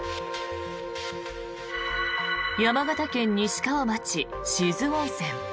山形県西川町・志津温泉。